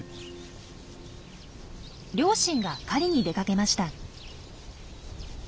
両親が狩りに出かけました。